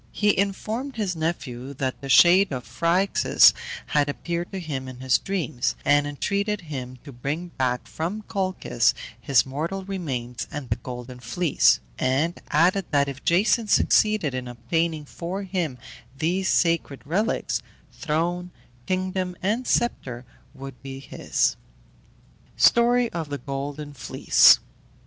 He informed his nephew that the shade of Phryxus had appeared to him in his dreams, and entreated him to bring back from Colchis his mortal remains and the Golden Fleece; and added that if Jason succeeded in obtaining for him these sacred relics, throne, kingdom, and sceptre should be his. STORY OF THE GOLDEN FLEECE.